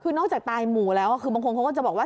นอกจากตายหมู่แล้วบางคนเขาจะบอกว่า